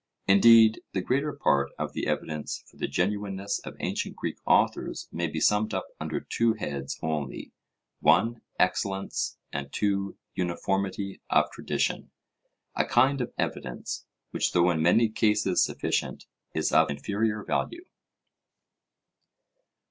Indeed the greater part of the evidence for the genuineness of ancient Greek authors may be summed up under two heads only: (1) excellence; and (2) uniformity of tradition a kind of evidence, which though in many cases sufficient, is of inferior value.